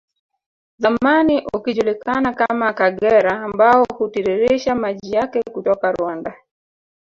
Zamani ukijulikana kama Akagera ambao hutiririsha maji yake kutoka Rwanda